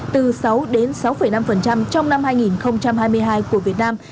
từ sáu đến sáu năm trong năm hai nghìn hai mươi hai của việt nam